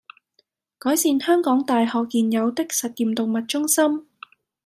改善香港大學現有的實驗動物中心